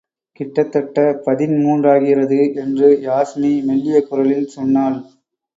கிட்டத்தட்டப் பதின்மூன்றாகிறது என்று யாஸ்மி மெல்லியகுரலில் சொன்னாள்.